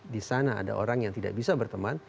di sana ada orang yang tidak bisa berteman